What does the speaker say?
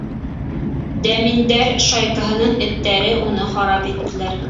— Дәминдәр шайкаһының эттәре уны харап иттеләр.